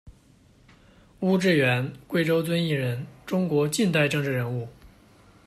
邬治元，贵州遵义人，中国近代政治人物。